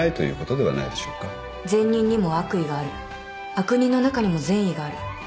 悪人の中にも善意がある。